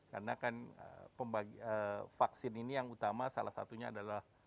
karena kan vaksin ini yang utama salah satunya adalah